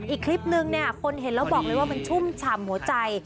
อีกคลิปนึงเนี่ยคนเห็นแล้วบอกเลยว่ามันชุ่มฉ่ำหัวใจ